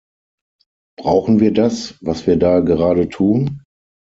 Brauchen wir das, was wir da gerade tun?